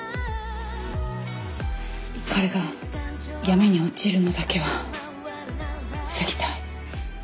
彼が闇に落ちるのだけは防ぎたい。